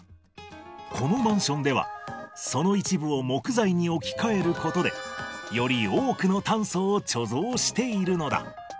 このマンションでは、その一部を木材に置き換えることで、より多くの炭素を貯蔵しているのだ。